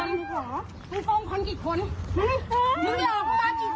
มึงไม่ออกมากี่คนแล้ว